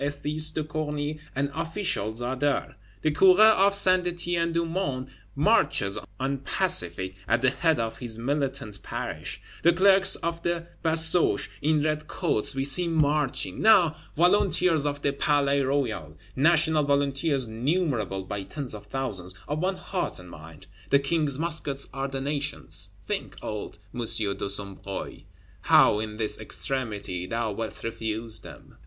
Ethys de Corny and officials are there; the Curé of Saint Étienne du Mont marches unpacific at the head of his militant Parish; the Clerks of the Basoche in red coats we see marching, now Volunteers of the Palais Royal; National Volunteers, numerable by tens of thousands; of one heart and mind. The King's Muskets are the Nation's; think, old M. de Sombreuil, how, in this extremity, thou wilt refuse them!